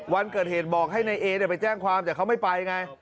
วันเกิดเหตุบอกให้นายเอไปแจ้งความแต่เขาไม่ไปไง